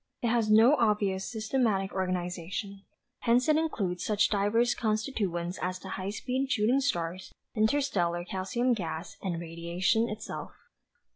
"It has no obvious systematic organization. Hence it includes such diverse constituents as the high speed shooting stars, interstellar calcium gas and radiation itself.